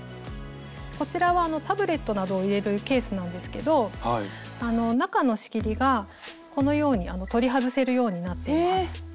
こちらはタブレットなどを入れるケースなんですけど中の仕切りがこのように取り外せるようになってます。